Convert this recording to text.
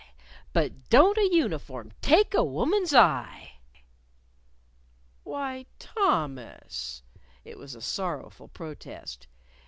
but don't a uniform take a woman's eye!" "Why, Thomas!" It was a sorrowful protest.